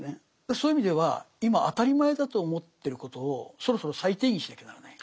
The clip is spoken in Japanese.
そういう意味では今当たり前だと思ってることをそろそろ再定義しなきゃならない。